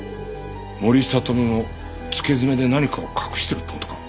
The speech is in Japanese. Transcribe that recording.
森聡美も付け爪で何かを隠してるって事か？